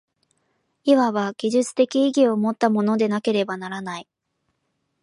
いわば技術的意義をもったものでなければならない。